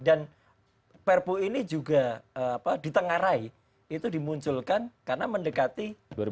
dan perpu ini juga di tengah rai itu dimunculkan karena mendekati dua ribu sembilan belas